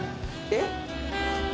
えっ？